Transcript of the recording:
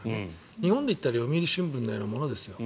日本でいったら読売新聞のようなものですよ。